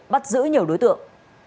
bắt giữ nhiều đối tượng